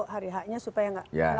hari h nya supaya gak